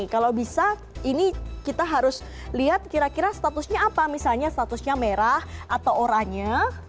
kalau bisa ini kita harus lihat kira kira statusnya apa misalnya statusnya merah atau oranye